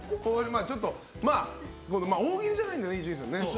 大喜利じゃないのでね伊集院さん。